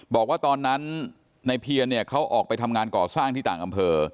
บอกว่าตอนนั้นในเพียรเนี่ยเขาออกไปทำงานก่อสร้างที่ต่างอำเภอ